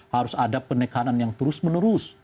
harus ada penekanan yang terus menerus